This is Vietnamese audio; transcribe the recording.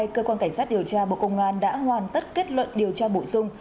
cơ quan cảnh sát điều tra bộ công an đã hoàn tất kết luận điều tra bổ sung